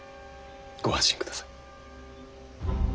ご安心ください。